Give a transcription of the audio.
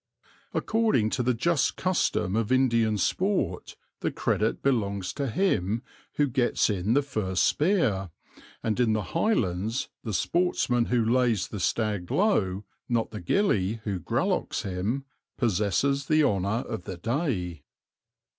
According to the just custom of Indian sport the credit belongs to him who gets in the first spear, and in the Highlands the sportsman who lays the stag low, not the gillie who grallochs him, possesses the honour of the day.